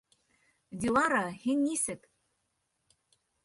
Дилара, һин нисек?..